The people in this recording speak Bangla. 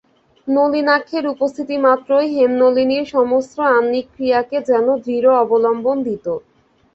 নলিনাক্ষের উপস্থিতিমাত্রই হেমনলিনীর সমস্ত আহ্নিকক্রিয়াকে যেন দৃঢ় অবলম্বন দিত।